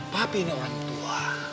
papi ini orang tua